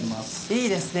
いいですね